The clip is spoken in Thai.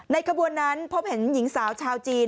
ขบวนนั้นพบเห็นหญิงสาวชาวจีน